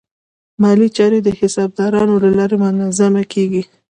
مالي چارې د حسابدارانو له لارې منظمې کېږي.